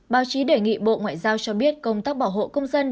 báo chí đề nghị bộ ngoại giao cho biết công tác bảo hộ công dân